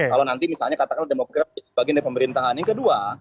kalau nanti misalnya katakanlah demokrat bagian dari pemerintahan yang kedua